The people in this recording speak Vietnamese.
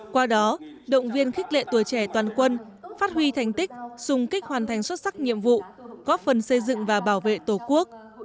qua đó động viên khích lệ tuổi trẻ toàn quân phát huy thành tích dùng kích hoàn thành xuất sắc nhiệm vụ góp phần xây dựng và bảo vệ tổ quốc